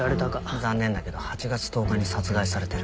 残念だけど８月１０日に殺害されてる。